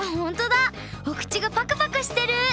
おくちがパクパクしてる！